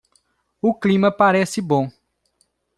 O clima parece bom.